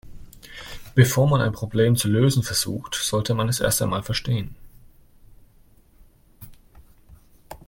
Bevor man ein Problem zu lösen versucht, sollte man es erst einmal verstehen.